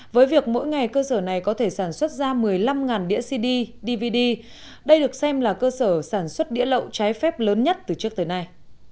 với việc mỗi ngày cơ sở này có thể sản xuất ra một mươi năm đĩa cd dvd đây được xem là cơ sở sản xuất đĩa lậu trái phép lớn nhất từ trước tới nay